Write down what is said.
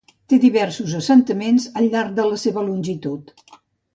Té diversos assentaments al llarg de la seva longitud.